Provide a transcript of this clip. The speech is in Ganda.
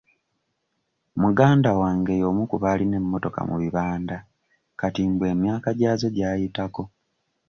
Muganda wange y'omu ku baalina emmotoka mu bibanda kati mbu emyaka gyazo gyayitako.